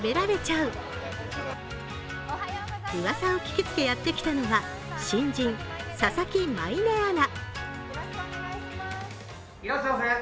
うわさを聞きつけやって来たのは、新人・佐々木舞音アナ。